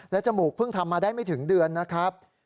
จมูกเพิ่งทำมาได้ไม่ถึงเดือนนะครับ